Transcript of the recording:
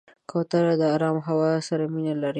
کوتره د آرام هوا سره مینه لري.